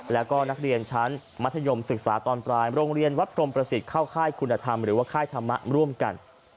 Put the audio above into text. แล้วก็นักเรียนชั้นมัธยมศึกษาตอนกลางโรงเรียนวัดพรมประสิทธิ์เข้าค่ายคุณธรรมหรือว่าค่ายธรรมะร่วมกัน